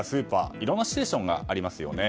いろんなシチュエーションがありますよね。